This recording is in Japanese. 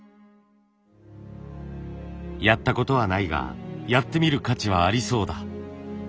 やったことはないがやってみる価値はありそうだ。